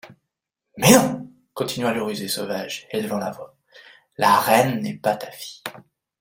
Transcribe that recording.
Mais non ! continua le rusé sauvage élevant la voix, la reine n'est pas ta fille.